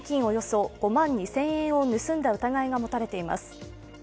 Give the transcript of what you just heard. およそ５万２０００円を盗んだ疑いが持たれています。